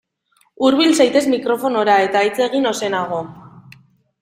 Hurbil zaitez mikrofonora eta hitz egin ozenago.